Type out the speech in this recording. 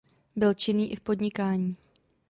Byl činný i v podnikání.